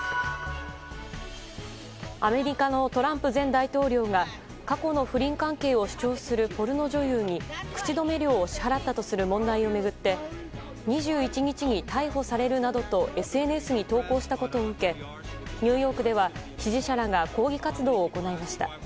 アメリカのトランプ前大統領が過去の不倫関係を主張するポルノ女優に口止め料を支払ったとする問題を巡って２１日に逮捕されるなどとＳＮＳに投稿したことを受けニューヨークでは支持者らが抗議活動を行いました。